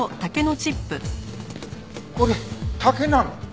これ竹なの？